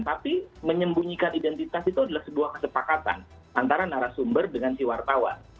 tapi menyembunyikan identitas itu adalah sebuah kesepakatan antara narasumber dengan si wartawan